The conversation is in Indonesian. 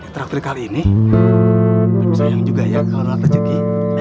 traktir kali ini lebih sayang juga ya kalau rata cuki